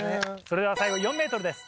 それでは最後４ｍです。